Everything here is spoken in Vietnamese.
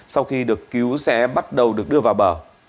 sau khi được cứu sẽ bắt đầu được đưa vào bờ